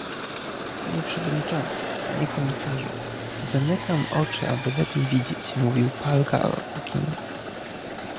Panie przewodniczący, panie komisarzu! "Zamykam oczy, aby lepiej widzieć" - mówił Paul Gauguin